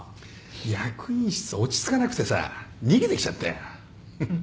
役員室落ち着かなくてさ逃げてきちゃったよ。